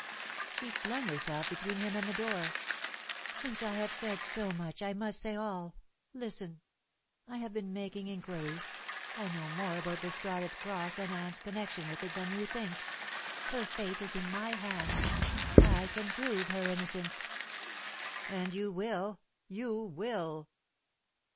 She flung herself between him and the door. "Since I have said so much, I must say all. Listen! I have been making inquiries. I know more about the Scarlet Cross and Anne's connection with it than you think. Her fate is in my hands. I can prove her innocence." "And you will you will!"